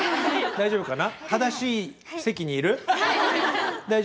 大丈夫かな？